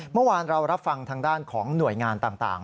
เมื่อวานเรารับฟังทางด้านของหน่วยงานต่าง